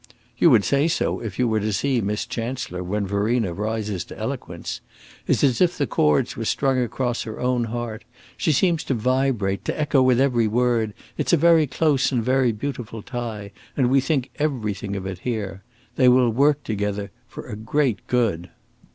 "You would say so if you were to see Miss Chancellor when Verena rises to eloquence. It's as if the chords were strung across her own heart; she seems to vibrate, to echo with every word. It's a very close and very beautiful tie, and we think everything of it here. They will work together for a great good!"